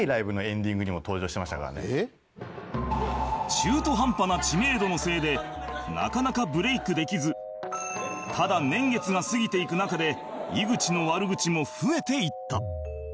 中途半端な知名度のせいでなかなかブレイクできずただ年月が過ぎていく中で井口の悪口も増えていった